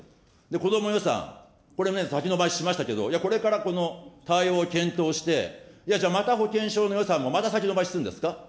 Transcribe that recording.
子ども予算、これね、先延ばししましたけど、いやこれからこの、対応を検討していや、じゃあ、また保険証の予算もまた先延ばしするんですか。